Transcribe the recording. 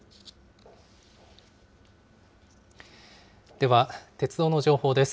では、鉄道の情報です。